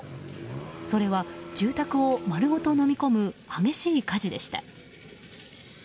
それは、住宅を丸ごとのみ込む激しい火事でした。